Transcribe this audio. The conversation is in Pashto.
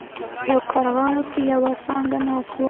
یو کارغه په یوه څانګه ناست و.